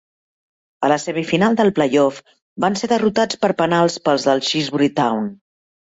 A la semifinal del play-off van ser derrotats per penals pels de Shrewsbury Town.